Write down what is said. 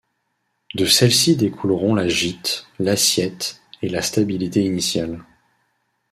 De celles-ci découleront la gîte, l'assiette et la stabilité initiale.